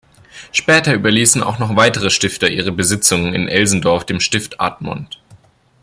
Später überließen auch noch weitere Stifter ihre Besitzungen in Elsendorf dem Stift Admont.